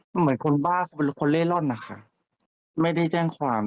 เหมือนคนบ้าเป็นคนเล่ร่อนนะคะไม่ได้แจ้งความ